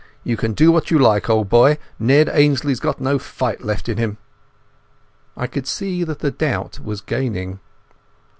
You can do what you like, old boy! Ned Ainslie's got no fight left in him." I could see that the doubt was gaining.